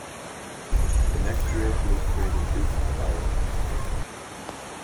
The next year he was created Duke of Ireland.